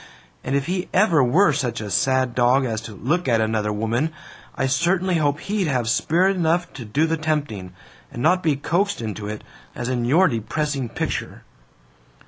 And if he ever were such a sad dog as to look at another woman, I certainly hope he'd have spirit enough to do the tempting, and not be coaxed into it, as in your depressing picture!"